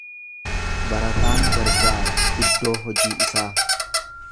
Barataan gargaara iddoo hojii isaa.